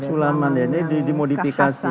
sulaman ya ini dimodifikasi